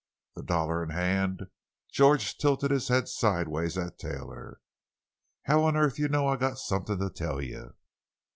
The dollar in hand, George tilted his head sidewise at Taylor. "How on earth you know I got somethin' to tell you?"